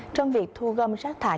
trong việc thu gom rác thải